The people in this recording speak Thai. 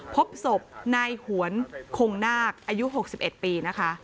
พบศพนายหวนคงนาคอายุ๖๑ปีนะคะ